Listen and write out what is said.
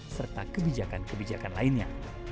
serta kebijakan kebijakan lainnya